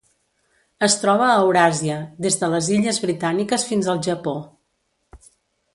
Es troba a Euràsia: des de les Illes Britàniques fins al Japó.